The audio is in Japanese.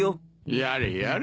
やれやれ。